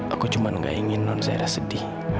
aku cuma gak ingin non zaira sedih